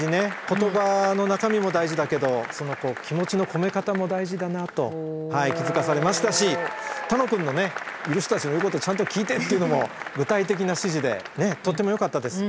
言葉の中身も大事だけど気持ちの込め方も大事だなと気付かされましたし楽くんの「いる人たちの言うことちゃんと聞いて」っていうのも具体的な指示でとってもよかったです。